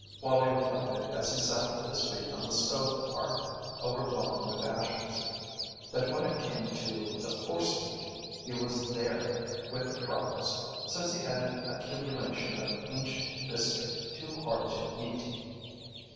Wallie reflected, as he sat with his feet on the stove hearth overflowing with ashes, that when it came to the "forcemeat" he was "there with the crumbs," since he had an accumulation of ancient biscuit too hard to eat.